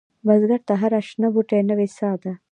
بزګر ته هره شنه بوټۍ نوې سا ده